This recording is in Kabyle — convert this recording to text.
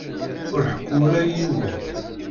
Ur ḥekku ula i yiwen!